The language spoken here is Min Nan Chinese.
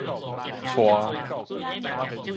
娶